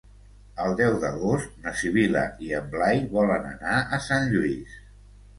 El deu d'agost na Sibil·la i en Blai volen anar a Sant Lluís.